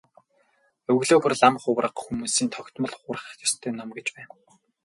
Өглөө бүр лам хувраг хүмүүсийн тогтмол хурах ёстой ном гэж байна.